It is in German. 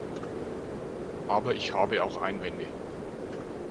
Aber ich habe auch Einwände.